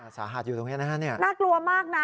สาหัสอยู่ตรงนี้นะฮะน่ากลัวมากนะ